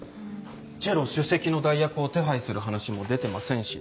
チェロ首席の代役を手配する話も出てませんしね。